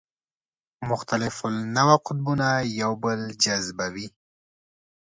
مختلف النوع قطبونه یو بل جذبوي.